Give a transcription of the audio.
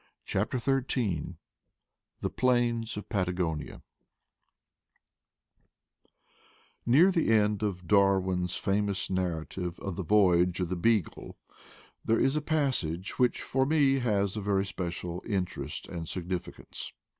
CHAPTER XTTT THE PLAINS OF PATAGONIA NEAB the end of Darwin's famous narrative of the voyage of the Beagle there is a passage which, for me, has a very special interest and sig nificance.